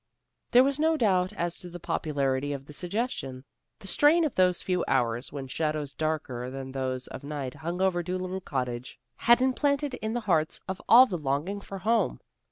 There was no doubt as to the popularity of the suggestion. The strain of those few hours when shadows darker than those of night hung over Dolittle Cottage, had implanted in the hearts of all the longing for home.